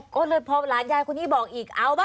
ก็เลยหลานยายคนนี้บอกอีก